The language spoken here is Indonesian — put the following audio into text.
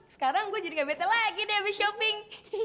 sekarang gue jadi ga bete lagi deh abis shopping